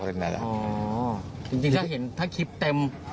จริงถ้าเห็นถ้าคลิปเต็ม